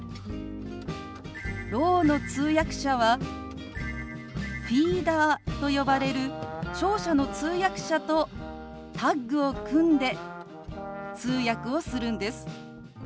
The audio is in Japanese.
ろうの通訳者はフィーダーと呼ばれる聴者の通訳者とタッグを組んで通訳をするんです。